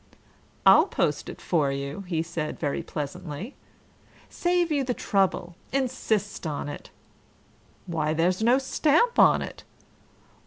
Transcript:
"I'll post it for you," he said very pleasantly. "Save you the trouble. Insist on it. Why, there's no stamp on it!